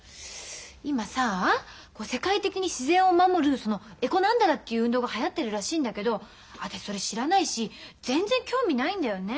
「今さ世界的に自然を守るそのエコ何だらっていう運動がはやってるらしいんだけど私それ知らないし全然興味ないんだよね。